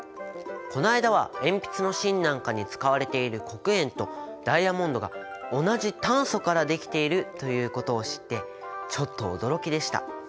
この間は鉛筆の芯なんかに使われている黒鉛とダイヤモンドが同じ炭素から出来ているということを知ってちょっと驚きでした。